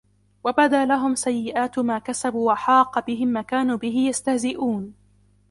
وَبَدَا لَهُمْ سَيِّئَاتُ مَا كَسَبُوا وَحَاقَ بِهِمْ مَا كَانُوا بِهِ يَسْتَهْزِئُونَ